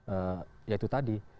eh ya itu tadi